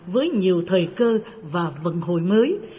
với nhiều thời cơ và vận hồi mới